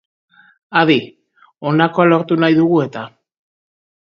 Adi, honakoa lortu nahi dugu eta!